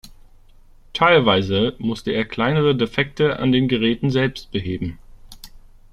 Teilweise musste er kleinere Defekte an den Geräten selbst beheben.